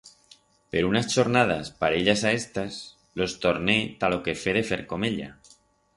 Pero unas chornadas parellas a estas los torné ta lo quefer de fer comeya.